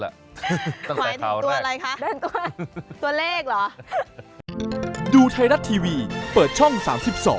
หลายตัวอะไรคะตัวเลขเหรอหลายตัวแล้วล่ะ